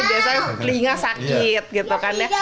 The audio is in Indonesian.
biasanya telinga sakit gitu kan ya